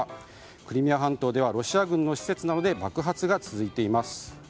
クリミア半島ではロシア軍の施設などで爆発が続いています。